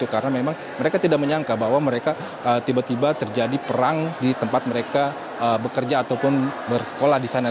karena memang mereka tidak menyangka bahwa mereka tiba tiba terjadi perang di tempat mereka bekerja ataupun bersekolah di sana